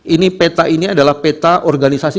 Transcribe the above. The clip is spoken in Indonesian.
ini peta ini adalah peta organisasi